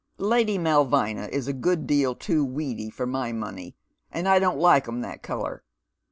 •* Lady Malvina ia a good deal too weedy for my money, and 1 don't like 'em that colour.